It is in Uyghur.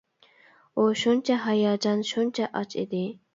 ئۇ شۇنچە ھاياجان، شۇنچە ئاچ ئىدى.